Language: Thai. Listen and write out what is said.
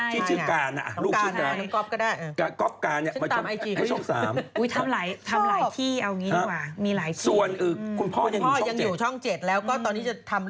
ที่ชื่อการ